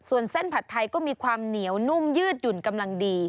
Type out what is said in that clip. ส่วนเส้นผัดไทยก็มีความเหนียวนุ่มยืดหยุ่นกำลังดี